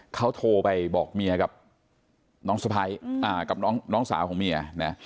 เขาโทรไปบอกเมียกับน้องสาวของเมีย